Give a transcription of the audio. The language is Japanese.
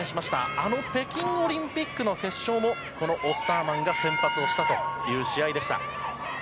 あの北京オリンピックの決勝も、このオスターマンが先発をしたという試合でした。